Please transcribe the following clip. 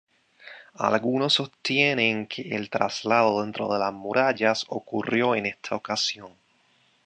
Algunos sostienen que el traslado dentro de las murallas ocurrió en esta ocasión.